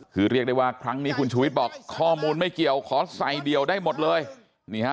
คือเรียกได้ว่าครั้งนี้คุณชูวิทย์บอกข้อมูลไม่เกี่ยวขอใส่เดี่ยวได้หมดเลยนี่ฮะ